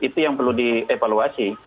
itu yang perlu dievaluasi